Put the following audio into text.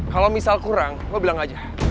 kalau misal kurang gue bilang aja